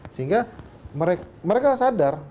sehingga mereka sadar